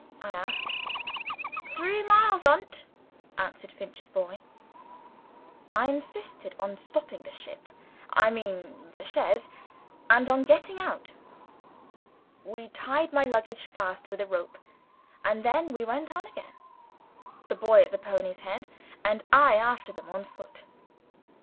I asked. "Three mile on't," answered Finch's boy. I insisted on stopping the ship I mean the chaise and on getting out. We tied my luggage fast with a rope; and then we went on again, the boy at the pony's head, and I after them on foot.